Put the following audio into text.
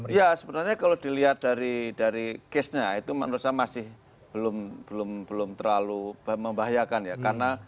ya sebenarnya kalau dilihat dari case nya itu menurut saya masih belum terlalu membahayakan ya